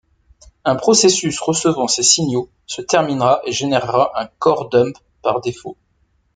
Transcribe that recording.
Un processus recevant ces signaux se terminera et générera un core dump par défaut.